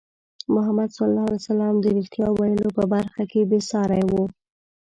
محمد صلى الله عليه وسلم د رښتیا ویلو په برخه کې بې ساری وو.